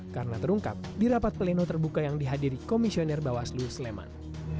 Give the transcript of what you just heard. karena terungkap di rapat pleno terbuka yang dihadiri komisi komisi bawaslu sleman